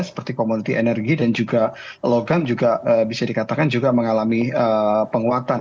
seperti komoditi energi dan juga logam juga bisa dikatakan juga mengalami penguatan